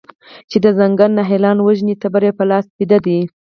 چې د ځنګل نهالان وژني تبر په لاس بیده دی